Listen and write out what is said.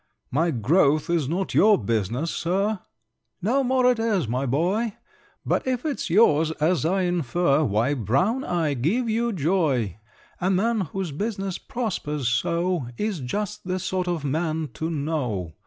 "My growth is not your business, Sir!" "No more it is, my boy! But if it's yours, as I infer, Why, Brown, I give you joy! A man, whose business prospers so, Is just the sort of man to know!